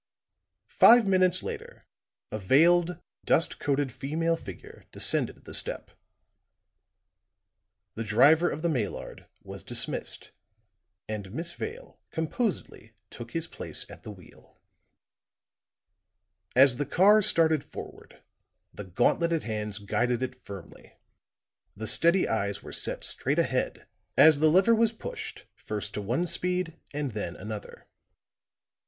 Five minutes later, a veiled, dust coated female figure descended the step; the driver of the Maillard was dismissed, and Miss Vale composedly took his place at the wheel. As the car started forward, the gauntleted hands guided it firmly; the steady eyes were set straight ahead as the lever was pushed first to one speed and then another.